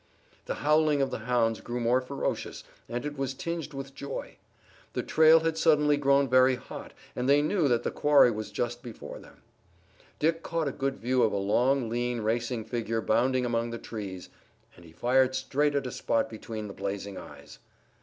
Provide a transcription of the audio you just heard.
The howling of the hounds grew more ferocious, and it was tinged with joy. The trail had suddenly grown very hot, and they knew that the quarry was just before them. Dick caught a good view of a long, lean, racing figure bounding among the trees, and he fired straight at a spot between the blazing eyes.